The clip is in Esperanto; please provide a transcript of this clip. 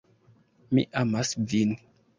Mi amas vin.